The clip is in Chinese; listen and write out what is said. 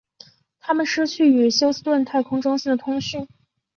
他们失去与休斯顿太空中心的通讯。